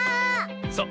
そう。